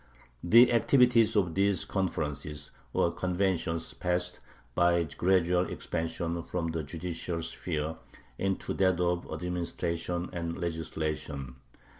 The activity of these conferences, or conventions, passed, by gradual expansion, from the judicial sphere into that of administration and legislation.